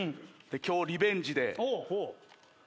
今日リベンジで。